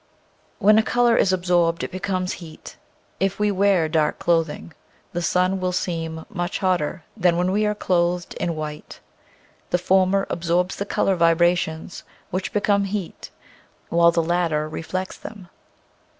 When a color is absorbed it becomes heat. If we wear dark clothing the sun will seem much hotter than when we are clothed in white. The former absorbs the color vibrations, which be come heat, while the latter reflects them.